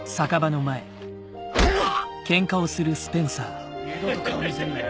がっ！二度と顔見せんなよ。